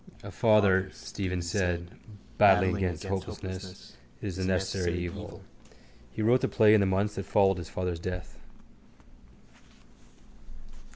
—A father, Stephen said, battling against hopelessness, is a necessary evil. He wrote the play in the months that followed his father's death.